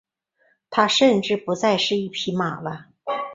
他甚至不再是一匹马了。